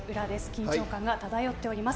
緊張感が漂っております。